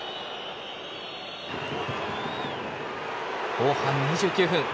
後半２９分。